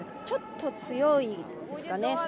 ちょっと強いですかね。